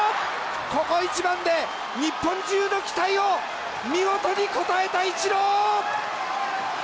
ここ一番で日本中の期待を見事に応えたイチロー。